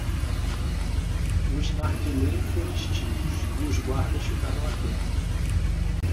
Os narguilé foram extintos? e os guardas ficaram atentos.